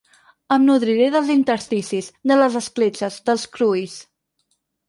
Em nodriré dels intersticis, de les escletxes, dels cruis.